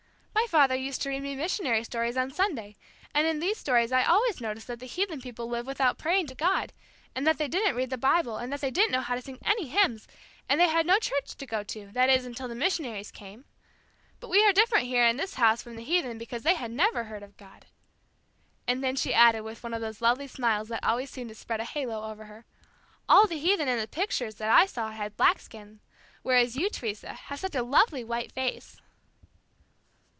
My father used to read me missionary stories on Sunday, and in these stories I always noticed that the heathen people live without praying to God, and that they didn't read the Bible, and that they didn't know how to sing any hymns, and they had no church to go to, that is, until the missionaries came. But we are different here in this house from the heathen because they had never heard of God." And then she added with one of those lovely smiles that always seemed to spread a halo over her, "All the heathen in the pictures that I saw had black skins, whereas you, Teresa, have such a lovely white face."